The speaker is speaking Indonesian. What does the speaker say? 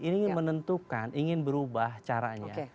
ini menentukan ingin berubah caranya